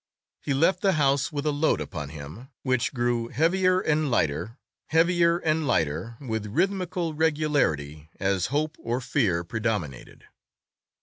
He left the house with a load upon him, which grew heavier—and lighter—heavier—and lighter, with rhythmical regularity, as hope or fear predominated.